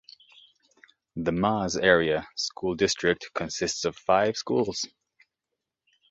The Mars Area School District consists of five schools.